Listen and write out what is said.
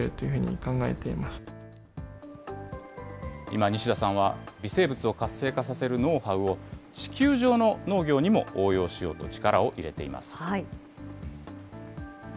今、西田さんは微生物を活性化させるノウハウを、地球上の農業にも応用しようと力を入れています。